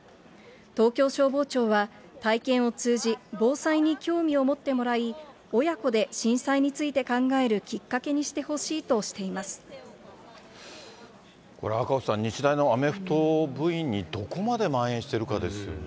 東京消防庁は、体験を通じ、防災に興味を持ってもらい、親子で震災について考えるきっかけにこれ、赤星さん、日大のアメフト部員に、どこまでまん延しているかですよね。